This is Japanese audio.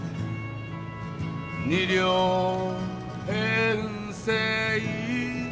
「二両編成」